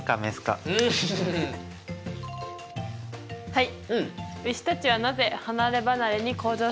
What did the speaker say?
はい。